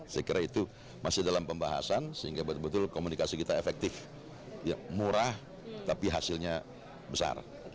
saya kira itu masih dalam pembahasan sehingga betul betul komunikasi kita efektif murah tapi hasilnya besar